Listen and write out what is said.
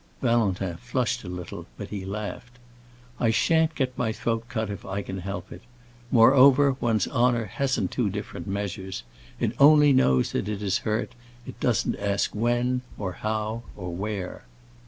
Valentin flushed a little, but he laughed. "I shan't get my throat cut if I can help it. Moreover, one's honor hasn't two different measures. It only knows that it is hurt; it doesn't ask when, or how, or where."